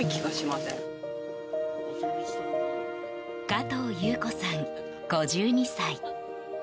加藤夕子さん、５２歳。